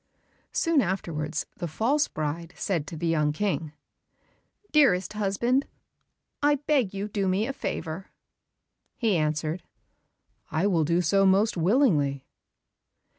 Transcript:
Soon afterwards the false bride said to the young King, "Dearest husband, I beg you to do me a favour." He answered, "I will do so most willingly."